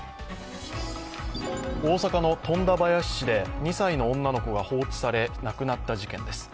大阪の富田林市で２歳の女の子が放置され亡くなった事件です。